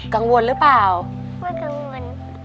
กังวลหรือเปล่าว่ากังวล